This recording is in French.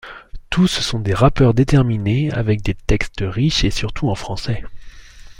Tous sont des rappeurs déterminés avec des textes riches et surtout en français.